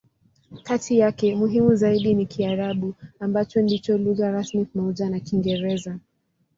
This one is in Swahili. Kati yake, muhimu zaidi ni Kiarabu, ambacho ndicho lugha rasmi pamoja na Kiingereza.